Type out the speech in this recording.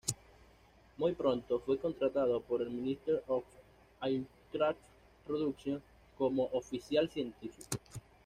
Muy pronto fue contratado por el Minister of Aircraft Production como oficial científico.